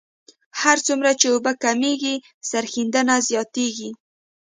هر څومره چې اوبه کمیږي سریښېدنه زیاتیږي